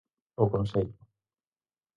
O Concello.